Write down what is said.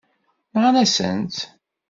Nɣan-asent-tt.